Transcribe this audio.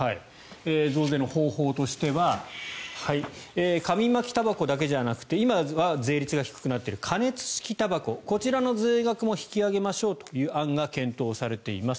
増税の方法としては紙巻きたばこだけじゃなくて今は税率が低くなっている加熱式たばここちらの税額も引き上げましょうという案が検討されています。